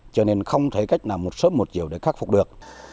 cho nên không thấy cách nào một sớm một chiều để khắc phục được